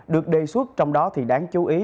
được đề xuất trong đó thì đáng chú ý